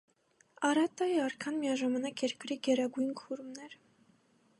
Արատտայի արքան միաժամանակ երկրի գերագույն քուրմն էր։